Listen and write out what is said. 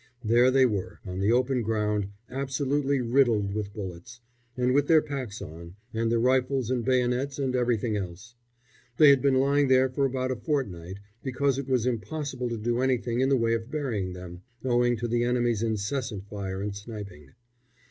There they were, on the open ground, absolutely riddled with bullets, and with their packs on, and their rifles and bayonets and everything else. They had been lying there for about a fortnight, because it was impossible to do anything in the way of burying them, owing to the enemy's incessant fire and sniping.